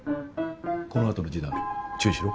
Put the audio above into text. この後の示談注意しろ。